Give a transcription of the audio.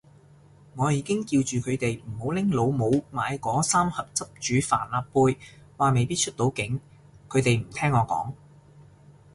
我已經叫住佢哋唔好拎老母買嗰三盒汁煮帆立貝，話未必出到境，佢哋唔聽我講